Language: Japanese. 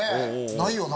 ないよな。